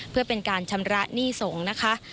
เพื่อเป็นการชำระหนี้สงฆ์นะคะ